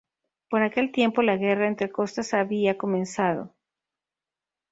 Por aquel tiempo, la guerra entre costas había comenzado.